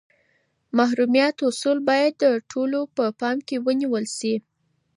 د محرمیت اصول باید د ټولو په پام کي نیول سي.